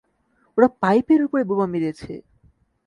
ওরা পাইপের উপরে বোমা মেরেছে!